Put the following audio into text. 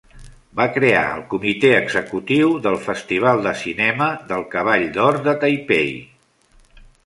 Va crear el Comitè Executiu del Festival de Cinema del Cavall d'Or de Taipei.